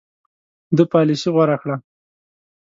ده پالیسي غوره کړه.